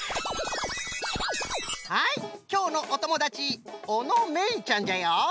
はいきょうのおともだちおのめいちゃんじゃよ。